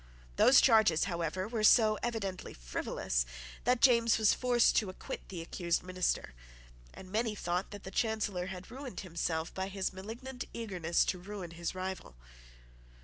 Those charges, however, were so evidently frivolous that James was forced to acquit the accused minister; and many thought that the Chancellor had ruined himself by his malignant eagerness to ruin his rival.